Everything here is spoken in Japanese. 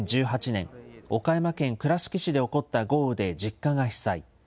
２０１８年、岡山県倉敷市で起こった豪雨で実家が被災。